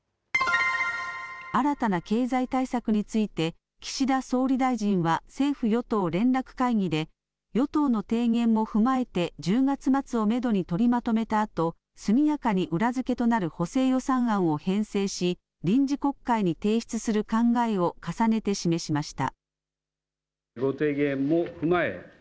新たな経済対策について、岸田総理大臣は政府与党連絡会議で与党の提言も踏まえて、１０月末をメドに取りまとめたあと、速やかに裏付けとなる補正予算案を編成し、臨時国会に提出する考えを重ねて示しました。